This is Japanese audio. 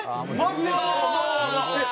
えっ！？